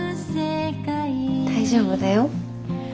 大丈夫だよ。